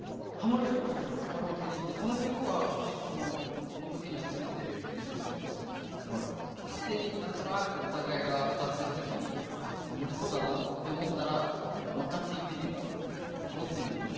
カラオケ行って、この曲は正直、こんときに初めて練習してみましたけど勝手に、なんとなくお互いが歌ってるときにハモれそうだなって思ったらのっかっていってみるハモってみる。